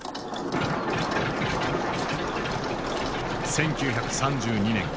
１９３２年。